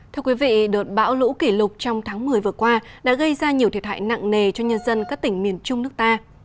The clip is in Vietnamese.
thưa quý vị đợt bão lũ kỷ lục trong tháng một mươi vừa qua đã gây ra nhiều thiệt hại nặng nề cho nhân dân các tỉnh miền trung nước ta